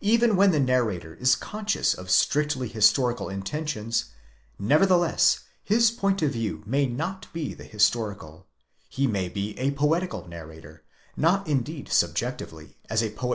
Even when the narrator is conscious of strictly historical intentions, nevertheless his point of view may not be the historical : he may be a poetical narrator, not indeed subjectively, as a poet.